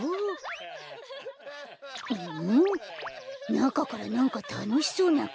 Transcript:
なかからなんかたのしそうなこえが。